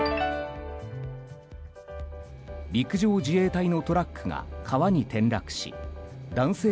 陸上自衛隊のトラックが川に転落し男性